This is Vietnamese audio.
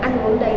nhã đi ngủ ấy